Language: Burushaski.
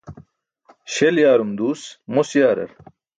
Śel yaarum duus mos yaarar.